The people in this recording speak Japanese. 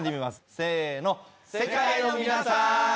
せの。